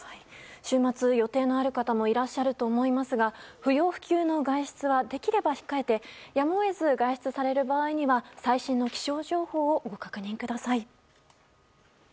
週末予定のある方もいらっしゃると思いますが不要不急の外出はできれば控えてやむを得ず外出される場合は最新の気象情報をご確認ください。